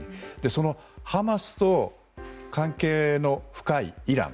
そのハマスと関係の深いイラン。